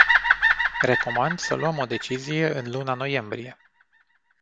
Recomand să luăm o decizie în luna noiembrie.